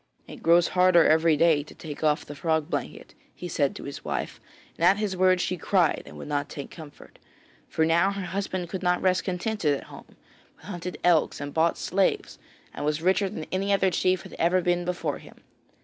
'It grows harder every day to take off the frog blanket,' he said to his wife, and at his words she cried and would not take comfort. For now her husband could not rest contented at home, but hunted elks and bought slaves and was richer than any other chief had ever been before him.